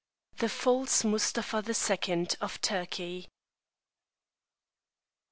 THE FALSE MUSTAPHA THE SECOND OF TURKEY.